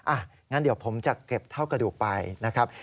อ่ะงั้นเดี๋ยวผมจะเก็บเท่ากระดูกไปนะครับ